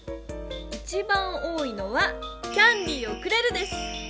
一番多いのは「キャンディーをくれる」です！